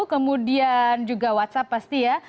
kemudian juga whatsapp pasti ya